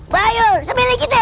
bang yul sembilik gini